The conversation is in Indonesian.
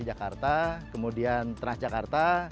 jakarta kemudian transjakarta